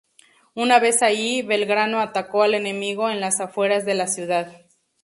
Una vez allí, Belgrano atacó al enemigo en las afueras de la ciudad.